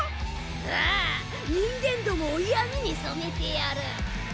さぁ人間どもを闇に染めてやる！